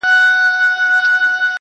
سم ليونى سوم,